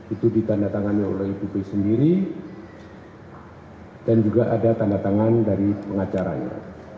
itu ditandatangani oleh ibu p sendiri dan juga ada tandatangan dari pengacaranya